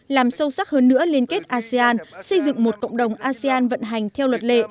làm sâu sắc hơn nữa liên kết asean xây dựng một cộng đồng asean vận hành theo luật lệ